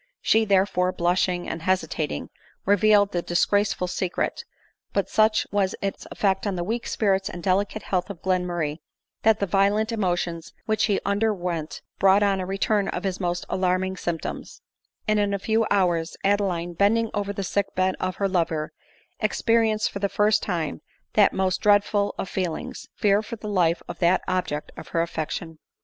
She, therefore, blushing, and hesitating, revealed the disgraceful secret ; but such was its effect on the weak spirits and delicate health of Glenmurray, that the violent emotions which he underwent brought on a return of his most alarming symptoms ; and in a few hours Adeline, bending over the sick bed of her lover, experienced for the iirst time that most dreadful of feelings, fear for the life of the object of her affection.